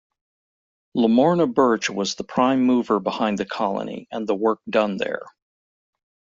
Lamorna Birch was the prime mover behind the colony and the work done there.